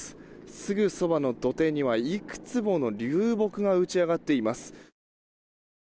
すぐそばの土手にはいくつもの流木が打ち揚がっています。